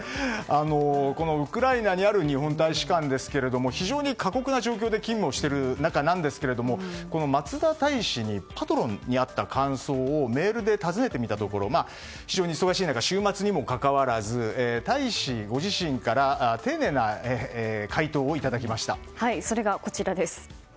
ウクライナにある日本大使館ですが非常に過酷な状況で勤務をしている中ですがこの松田大使にパトロンに会った感想をメールで尋ねてみたところ非常に忙しい中週末にもかかわらず大使ご自身からそれが、こちらです。